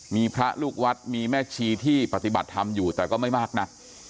มีพระลูกวัดมีแม่ชีที่ปฏิบัติธรรมอยู่แต่ก็ไม่มากนัก